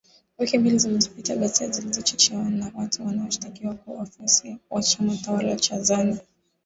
Wiki mbili zilizopita ghasia zilizochochewa na watu wanaoshtakiwa kuwa wafuasi wa chama tawala cha zanu